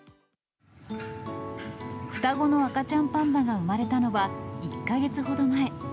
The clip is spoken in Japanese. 双子の赤ちゃんパンダが産まれたのは、１か月ほど前。